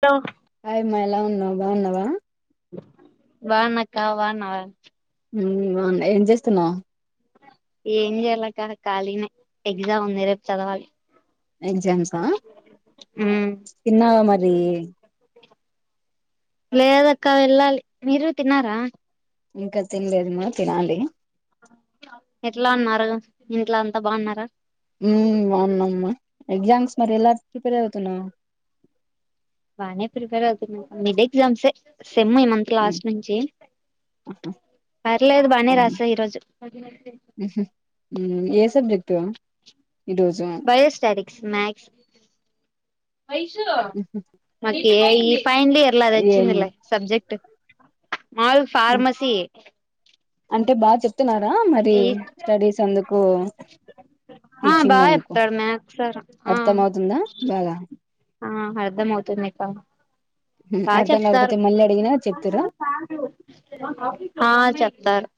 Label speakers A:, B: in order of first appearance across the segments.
A: ట్లో
B: హాయమ్మా, ఎలా ఉన్నవ్? బాగున్నవా?
A: బాగున్నక్క, బాగున్నవా?
B: హ్మ్ బావున్న, ఏం చేస్తున్నావు?
A: ఏం చేయాలక్క ఖాళీనే, ఎగ్జామ్ ఉంది రేపు చదవాలి.
B: ఎక్సంసా?
A: ఉమ్
B: తిన్నావా మర్? రీ
A: లేదక్క, వెళ్ళాలి. మీరు తిన్నారా?
B: ఇంక తినలేదు మా, తినాలి?
A: ఎట్లా ఉన్నారు? ఇంట్లో అంతా బావున్నారా?
B: హ్మ్ బావునమ్మా, ఎగ్జామ్స్ మరి ఎలా ప్రిపేర్ అవుతున్నావ్?
A: బానే ప్రిపేర్ అవుతున్న, మిడ్ ఎక్సామ్స్ ఏ. సెమ్ ఈ మంత్
B: ఉమ్,
A: లాస్ట్ నుంచి,
B: ఆహా,
A: పర్లేదు బానే
B: అవునా.
A: రాస ఈరోజు.
B: ఉమ్, ఏ సబ్జెక్టు? ఈ రోజు?
A: మ్యాక్స్. మాకు ఏ ఐ ఫైనల్ ఇయర్లా
B: ఏ
A: అదొచ్చిందిలే సబ్జెక్ట్. మాదిగుడ్ ఫార్మసియే.
B: అంటే బాగ చెప్ చెస్తున్నార మరి స్టడీస్ అందుకు
A: ఆ
B: టీచింగ్
A: బాగా
B: అందుకు
A: చెప్తాడు మ్యాథ్స్ సార్ ఆ
B: అర్థం అవుతుందా బాగా
A: ఆ అర్ధం అవుతుంది ఇకా
B: ఉమ్,
A: బాగ
B: అర్థం
A: చెప్తారు
B: కాకపోతే మళ్ళీ అడిగినా చెప్తారా
A: ఆ చెప్తారు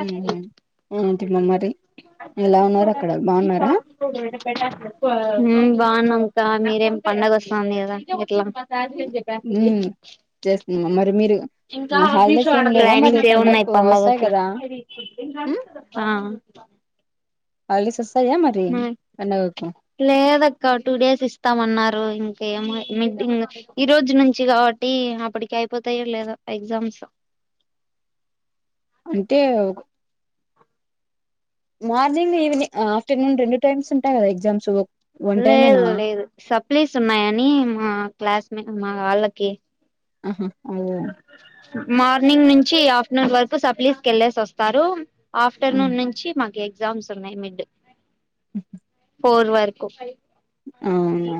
B: ఉ ఉహుమ్ ఉమ్ తీర్మానమారు
A: హ్మ్ బాగున్నామక్కా మీరేం పండగ వస్తుంది కదా ఇట్లా
B: ఉమ్ చేస్తునా మరి మీరు హాలిడేస్ ఏం లేవా మరి
A: లైనింగ్స్ ఏవ ఉన్నాయి
B: పండగకు వస్తాయి
A: పండాగకి
B: కదా హల్డేస్ స
A: మా లేదక్క టూ డేస్ ఇస్తామన్నారు ఇం ఎమో మిడ్ఇంగ్ ఈ రోజు నుంచి కాబట్టి అప్పటికి అయిపోతాయ లేదా ఎగ్జామ్స్
B: అంటే ఒక మార్నింగ్ ఈవినింగ్ ఆఫ్టర్నూన్ రెండు టైమ్స్ ఉంటాయి కదా ఎగ్జామ్స్ వన్ టైమేనా
A: లేదు లేదు సప్లైస్ ఉన్నాయని మా క్లాస్మేట్ మా వాళ్లకి
B: ఆహా అవు
A: మార్నింగ్ నుంచి ఆఫ్టర్నూన్ వరకు సప్లీస్ కలిసివస్తారు ఆఫ్టర్నూన్ నుంచి మాక ఎగ్జామ్స్ ఉన్నాయి మిడ్
B: ఉ హు
A: ఫోర్ వరకు
B: అవును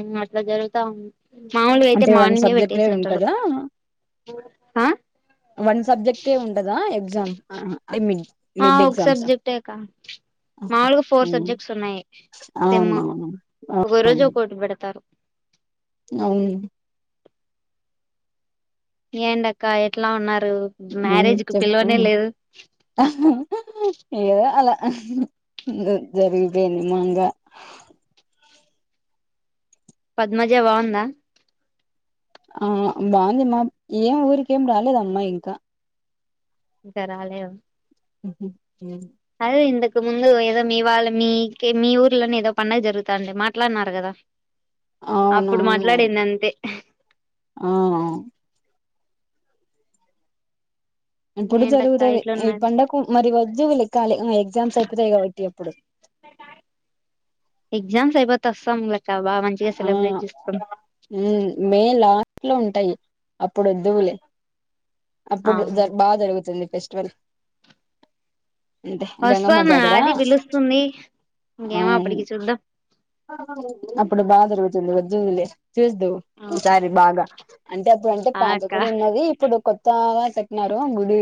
A: ఉమ్ అట్లా జరుగుతా ఉంది మాముూలుగా అయితే
B: అంటే వన్
A: మార్నింగే
B: సబ్జెక్టే
A: పెట్టేసి ఉంటారు
B: ఉంటదా
A: ఓ ఆ
B: వన్ సబ్జెక్టే ఉంటదా ఎగ్జామ్ ఆ
A: ఆ ఒక సబ్జెక్టే కా మాముూలుగా ఫోర్ సబ్జెక్ట్స్ ఉన్నాయి సిమ్
B: అవునవును
A: ఒక రోజు ఒకటి పెడతారు
B: అవును
A: ఏంటక్కా ఎట్లా ఉన్నారు
B: ఉమ్
A: మ్యారేజ్ కు పిలవనే
B: చెప్పమ్మా
A: లేదు
B: ఆహా హా ఏదో అలా అ హా హు జరిగిపోయింది మంగా
A: పద్మజా బగుందా
B: ఆ బాంద్
A: ఇంకా రాలేవ్
B: ఉఊ ఉమ్
A: ఇంతకు ముందు ఏదో మీ వాళ్ళు మీకే మీ ఊర్లోనే ఏదో పండగ జరుగుతాండి మాట్లాడ్ న్నారు కదా అప్పుడు
B: అవునవును
A: మాట్లాడింది అంతే
B: ఆ ఇప్పుడు
A: ఏంటక్క
B: జరుగుతుది ఈ
A: ఇట్లున్నది
B: పండకు మరి వద్జు వీల్ ఎక్కాలి ఎగ్జామ్స్ అయిపోతాయి కాబట్టి అప్పుడు
A: లేపోతే వస్తామ్ లే
B: ఆ ఉమ్ మేల ఇంట్లో ఉంటాయి అప్పుడోదులే
A: ఆ
B: అప్పుడు జర్ బా జరుగుతుంది ఫెస్ట్ వేల్ అంతే గంగమ్మ
A: వస్తాను
B: జాతరా
A: ఆది పిలుస్తుంది ఇంకేమో
B: అవున్
A: అప్పటికి చూద్దాం
B: అప్ జరుగుతుంది వద్దువ్ లే చద్దువ్ ఈసారి బాగా అంటే అప్పుడు అంటే
A: ఆ
B: పాత
A: అక్క
B: కూడా ఉన్నది ఇప్పుడు కొత్త గా చెప్పిన్నారు గుడి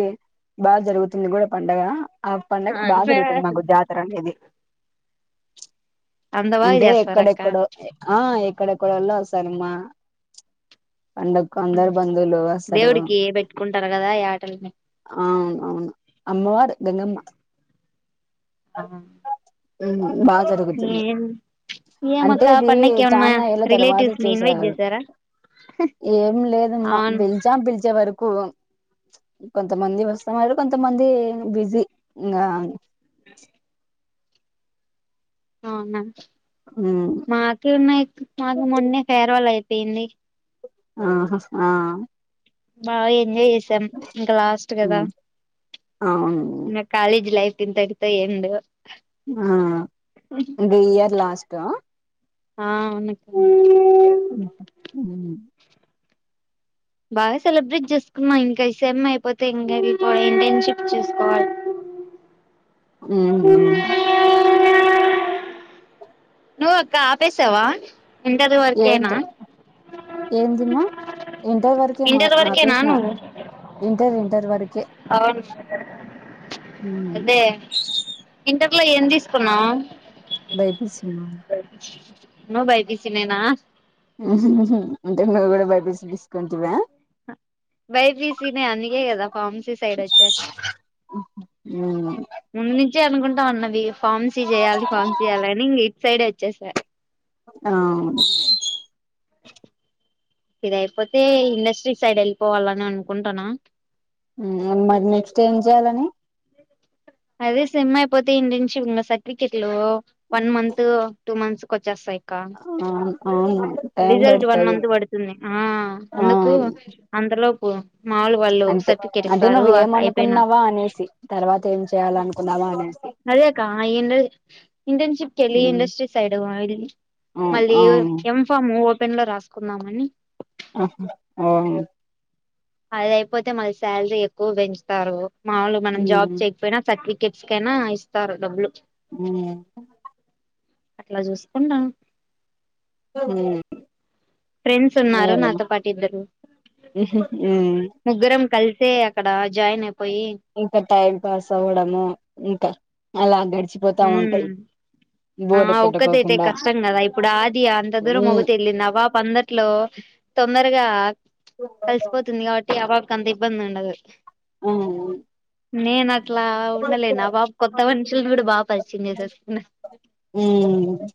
B: బాగా జరుగుతుంది కూడా పండగ ఆ పండగ బాగా జరుగుతుంది మాకు జాతర అనేది
A: అంత బా
B: అంటే
A: చేస్తారక్క
B: ఎక్కడెక్కడో ఆ ఎక్కడెక్కడో వాళ్ళు వస్తారమ్మా పండకు అందరు బంధువులు వస్తర్
A: దేవుడికి పెట్టుకుంటారు కదా ఈ ఆటల్ని
B: అవున అవును అమ్మవారు గంగమ్మ
A: ఆ
B: హూ బా జరుగుతుంది అంత్
A: ఏమక్క
B: ఇది
A: పండక్కి ఏమన్నా
B: చాన్న ఏళ్ళ తర్వాత
A: రిలేటివ్స్ ని ఇన్వైట్
B: చేసారు
A: చేసారా
B: ఏం లేదమ్మా
A: అవును
B: పిలిచాం పిలిచే వరక్ వరకు కొంతమంది వస్తారు కొంతమంది బిజీ ఇంగ
A: అవునా
B: మ్మ్
A: మాకీ ఉన్నాయి మాకు మొన్నే ఫెర్ వల్ అయి ఏంది
B: ఆహా ఆ
A: బా ఎంజాయ్ చేసిర్ సెమ్ ఇంకా లాస్ట్ కదా
B: మ్మ్ అవును
A: నా కాలేజీ లైఫ్ ఇంతటితో ఎండు
B: ఆ ఇద్ ఇయర్ లాస్ట్ త
A: ఆ అవ్ న్ అక్క
B: ఉ ఉ
A: బాగా సెలబ్రేట్ చేసుకున్నా. ఇంకా ఇ సెమ్ అయిపోతే ఇంగిలి పోవాలి ఇంటర్న్షిప్ చూసుకోవాలి.
B: ఉ హు
A: నువ్వు అక్కా ఆపేసావా ఇంటర్ వరకేనా
B: ఏంటిమ్ ఏందిమ ఇంటర్ వరకే మా
A: ఇంటర్ వరకేనా
B: ఆపేసిన
A: నువ్వు
B: ఇంటర్ ఇంటర్ వరకే
A: అవును
B: మ్మ్
A: అదే ఇం ఇంటర్ లో ఏం తీసుకున్నావు
B: బైపీసీ
A: నువ్ బైపీసీ నేనా
B: అంటే నువ్వు కూడా బైపీసీ తీసుకుంటివా
A: బైపిసీ నే అందుగే కదా ఫార్మ్సీ సైడ్ వచ్చా
B: మ్మ్
A: ముందు నుంచే అనుకుం క ఉన్నది ఫార్మసి చేయాలి ఫామ్సి చేయ్యాలని ఇ సైడ్ వచ్చే సార్
B: ఆవు
A: ఇది అయిపోతే ఇండస్ట్రీ సైడ్ వెళ్ళిపోవాలని అనుకుంటన్నా
B: మరి నెక్స్ట్ ఏం చేయాలని
A: అదే సెమ్ అయిపోతే, ఇంటర్న్షిప్ ఇంక సర్టిఫికెట్లు వన్ మంత్, టూ మంత్స్ కు వచ్చేస్తాయి.
B: ఆ అవును టైం
A: రిజల్ట్ వన్
B: పడుతది
A: మంత్ పడుతుంది. ఆ
B: ఆ
A: అందుకు అంతలో పో
B: అంటే అంటే
A: అయిపోయినా
B: నువ్వేమనుకున్నవా అనేసి తర్వాత ఏం చేయాల అనుకున్నామా అన
A: అదేకా ఇండ ఇంటర్న్షిప్కి వెళ్ళి,
B: ఉమ్,
A: ఇండస్ట్రీ సైడ్ వెళ్ళి
B: అవును
A: మళ్ళీ
B: అవును
A: ఎం ఫామ్ పెన్లో రాసుకుందామని
B: ఆహా ఓ
A: అది అయిపోతే మళ్ళి శాలరీ ఎక్కువ పెంచుతారు మాములుగ మనం జాబ్
B: ఉమ్,
A: చేయకపోయినా సర్టిఫి కిడ్స్ కైనా ఇస్తారు డబ్బులు
B: ఉమ్,
A: అట్లా చూసుకుంటం
B: ఆ
A: ఫ్రెండ్స్ ఉన్నారు నాతో పాటు ఇద్దరు
B: ఉమ్,
A: ముగ్గురం కల్ సే అక్కడ జాయిన్ ఐప్
B: ఇంక టైం పాస్ అవ్వడము ఇంకా అలాగే పోతా
A: ఉమ్
B: ఉంటయ్
A: ఆ ఒక్కదైతే కష్టం కదా ఇప్పుడు ఆది అంత దూరం
B: ఉమ్,
A: ఒకతే వెళ్ళింది. ఆ పాప అందట్లో తొందరగా కలిసిపోతుంది కావట్టి అవా కంత ఇబ్బందుండదు
B: ఉహ్
A: నే నా ట్లా ఉండలేన్ ఆ బాబు కొత్తవన్ చులుడు బాబ్ పరిచిందేసేస్తున్న
B: హ్మ్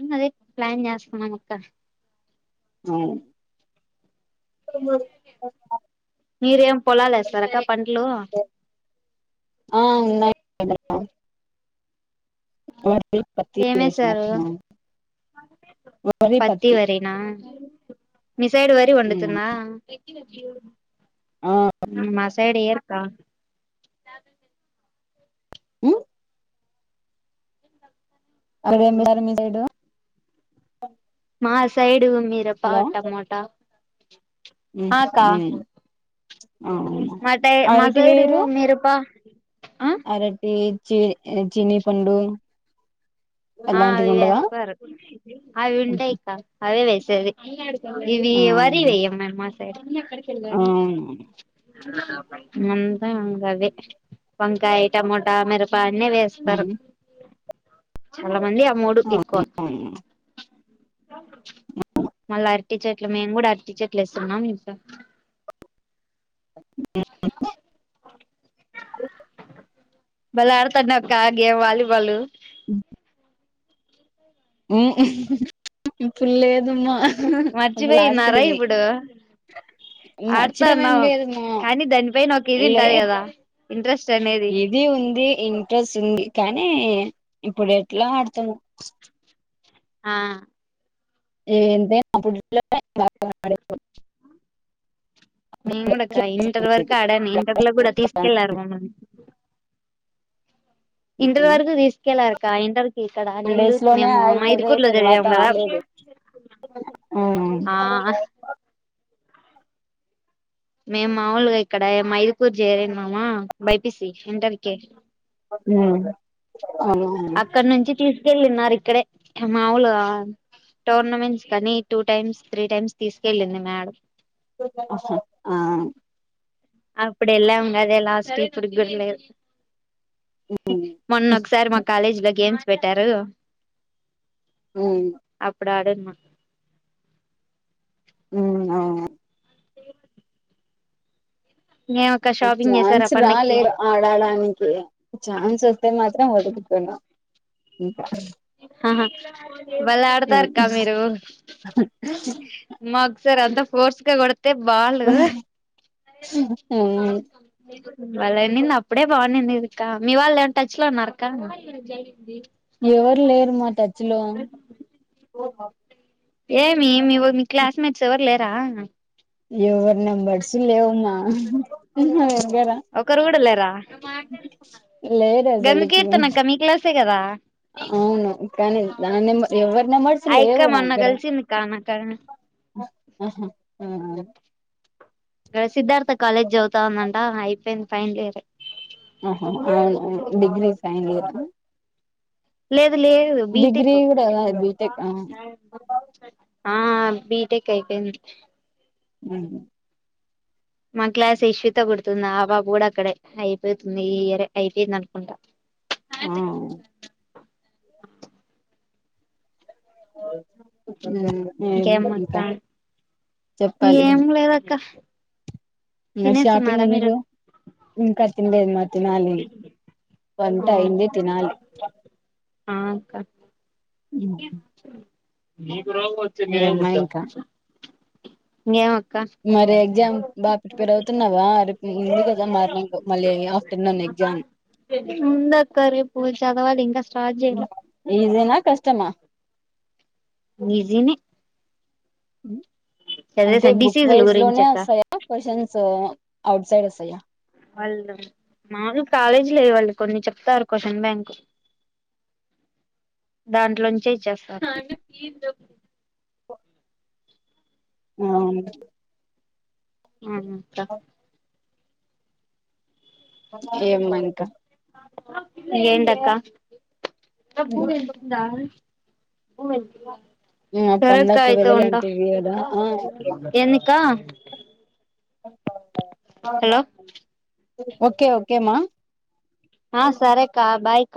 A: ఇంగ అదే ప్లాన్ చేస్తున్నాం అక్క
B: హ్మ్ స
A: మీరేం పొలాల్ ఏస్తారక్క పంట్లూ
B: ఉన్నాయి ఆ వరి పత్తి వేసిన
A: ఏమేసారు పత్తి వరీనా మిసైడ్ వరి
B: ఉమ్,
A: వండుతుందా
B: ఆ
A: మా సైడ్ ఏక్కా బ
B: హ్ అరవైఎనిమిది అరమిదేడు ఓ
A: ఆ సైడు మీరప టమాటా ఆకా
B: అవును
A: మా టై
B: అరటి
A: మాసైడు
B: వేరు
A: మిరప
B: అరటి చి చీనీ పండు
A: ఆ
B: అలాంటివి
A: అవి
B: ఉండవా
A: వేస్తారు అవి ఉంటాయిక్క అవే వేస్ చెవి ఇవి వరి వెయ్యం మేమ్ మా సై సైడ్
B: అవును
A: [unintelligible] అంతా అంగది వంకాయి టమోటా మీర బానే వేస్తారు చాలా మంది ఆ మూడు ఎక్కువ మళ్ళా అరటి చెట్లు మేము కూడా అరటి చెట్లు ఇస్తున్నాం ఇంకా
B: అ
A: బల ఆడతాడు నావక్క ఆ గే వాలిబాల్
B: ఇ పుల్ ఏదుమా
A: మర్చిపోయిన్నారా ఇప్పుడు
B: మర్చిపోవడం ఏం
A: ఆడుతాన్నాం
B: లేదమ్మా
A: కానీ దానిపైన ఒక ఇది ఉంటది
B: లేదు
A: కదా ఇంట్రెస్ట్ అనేది
B: ఇది ఉంది ఇంట్రెస్ట్ ఉంది కానీ ఇప్పుడు ఎట్లా ఆడుతాం
A: ఆ
B: ఏంతే నా ప బాడ
A: మేము కూడా ఇంటర్ వరకు ఆడాన్ని ఇంటర్లో కూడా తీసుకెళ్ళారు మమ్మల్ని ఇంటర్ వరకు తీసుకెలారక్క ఇంటర్ కి ఇక్కడ
B: టూ డేస్
A: నెల్లూరు
B: లోనే
A: మేము
B: ఆడినది
A: మైదుకూరులో
B: తర్వాత
A: చదివాం కదా
B: లేదు ఉ
A: ఆ మేం మాముూలుగా ఇక్కడ మైదుకూరు చేర మామా బైపిసి ఇంటరికే
B: ఉ
A: అక్కనుంచి తీసుకెళ్ళన్నారు ఇక్కడే మాములుగా టోర్నమెంట్స్ కానీ టూ టైమ్స్ త్రీ టైమ్స్ తీసుకెళ్ళింది మేడ
B: అ ఆ
A: అప్పుడ ఎలా ఉకా అదే లాస్ కురుగుర్ల మొన్న ఒక ఒకసారి మా కాలేజ్ లో గేమ్స్ పెట్టారు
B: ఉమ్,
A: అప్పుడు ఆడ మే
B: ఉ అవు
A: ఏ చేసారు
B: ఛాన్స్
A: ఆ పండక్కి
B: రాలేదు ఆడడానికి ఛాన్స్ వస్తే మాత్రం వదులుకోను అ
A: ఆహా బళ్ళ
B: ఉమ్.
A: ఆడతారు క మీరు మాకుసారి అంతా ఓర్స్క కొ అతే బాలు
B: ఉమ్,
A: బలా నింది అప్పుడే బాగుంది మీ వాళ్ళు ఏ టచ్ లో ఉన్నారుక్క
B: ఎవర్ లే ఏర్ మాత చలో
A: ఏమి మీ క్లాస్మేట్స్ ఎవర్ లేర్ రాంగ్
B: ఏవర్ నంబర్స్ లేవమ్మా నా దగ్గర
A: ద
B: లేదు అసలికి
A: గంగకీర్తన అక్క మీ క్లాసే కదా
B: అవును కానీ దాన్ని ఎవరి నెంబర్స్
A: ఆ
B: లేవు
A: అక్క
B: నా
A: మొన్న
B: దగ్గర
A: కలిసింది కా నాకాడ గ సిద్ధార్థ కాలేజ్ చదువుతాన్నను అ అయిపోయింది ఫైన్లియరు
B: ఆహ అవున డిగ్రీ ఫైనల్ ఇయర్ రా
A: లేదు లేదు బీటెక్
B: కాదు బీటెక్ ఆ
A: ఆ బీటెక్ అయిపోయింది
B: అవును
A: మా క్లాస్ యశ్విత కుడుతుంది ఆ పాప కూడా అక్కడే అయిపోతుంది ఈ ఇయర్ ఏ అయిపోయింది అనుకుంటా
B: ఆ అఓ [inaudible] చెప్పి
A: ఇంకేం అక్క
B: చెప్పాలి
A: ఏం లేదక్క
B: షాపింగ్
A: తినేస్తున్నారా మీరు
B: ఎందుకు ఇంకా తినాలేదు మ్మా తినాలి వంట
A: ఆ
B: అయ్యింది తినాలి
A: ఆ అక్క
B: మ్మ్
A: ఓ రొగం వచ్చి నిను ఉంటా ఇం [inaudible]
B: మరి ఎగ్జామ్ బాగా ప్రిపేర్ అవుతున్నావా రేపు ఉంది కదా మార్నింగ్ మళ్ళీ ఆఫ్టర్నూన్ ఎగ్జామ్
A: ఉందక్క రేపు చదవాలి ఇంకా స్టార్ట్ చేయలే
B: ఈజీనా కష్టమా
A: ఇజినే
B: అంటే బుక్
A: డిసీజుల
B: వైజ్
A: గురించి
B: లోనే
A: అక్క
B: వస్తాయా కొశ్శన్స్ ఔట్ సైడ్ వస్తాయా
A: వాళ్ళు మామూలు కాలేజీ లే వాళ్ళు కొన్ని చెప్తారు క్వషన్ బ్యాంక్ దాంట్లోంచే ఇచ్చె తేస్తారు
B: అవును
A: ఆ అక్క
B: ఏమ్మా ఇంకా
A: ఇంగా ఎంటక్క పబ్బు వెళ్తుందా ఉ వెళ్తున్నారు
B: ఆ పండుగకు వెళ్ళాలి అంటివి గాద ఆ ఓకే
A: ఎందుకా హలో
B: ఓకే ఓకే మా
A: ఆ సరే క బాయ్ క